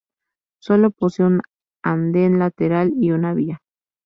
Solo posee un anden lateral y una vía.